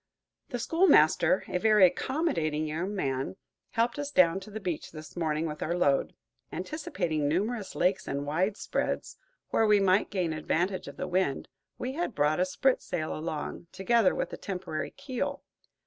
The schoolmaster, a very accommodating young man, helped us down to the beach this morning with our load. Anticipating numerous lakes and widespreads, where we might gain advantage of the wind, we had brought a sprit sail along, together with a temporary keel.